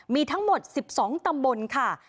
มีทั้งหมด๑๒ตำบลค่ะ